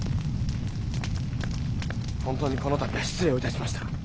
本当にこの度は失礼をいたしました。